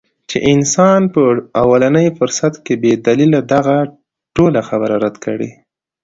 چې انسان پۀ اولني فرصت کښې بې دليله دغه ټوله خبره رد کړي -